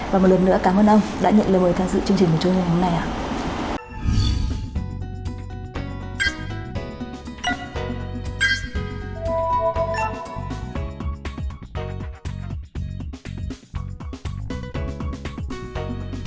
và một lần nữa cảm ơn ông đã nhận lời mời tham dự chương trình của chúng ngày hôm nay ạ